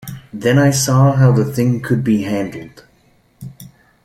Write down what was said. Then I saw how the thing could be handled.